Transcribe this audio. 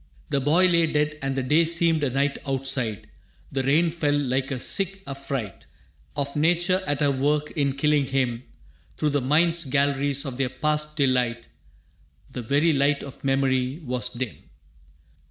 The boy lay dead and the day seemed a night Outside. The rain fell like a sick affright Of Nature at her work in killing him. Through the mind's galleries of their past delight The very light of memory was dim.